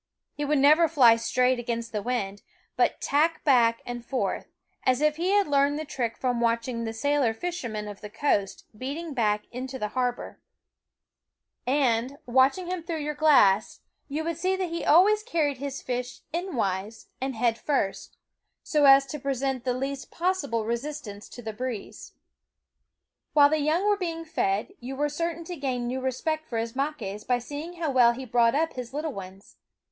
He would never fly straight against the wind, but tack back and forth, as if he had learned the trick from watching the sailor fishermen of the coast beating back into har bor. And, watching him through SCHOOL OF ~ 6 your glass, you would see that he always car y^ ried his fish endwise and head first, so as to ffie Fishhawk present the least possible resistance to the breeze. While the young were being fed, you were certain to gain new respect for Ismaques by seeing how well he brought up his little ones.